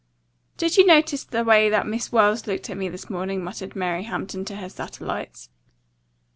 "Did you notice the way that Miss Wells looked at me this morning?" muttered Mary Hampton to her satellites.